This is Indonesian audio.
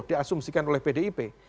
diasumsikan oleh pdip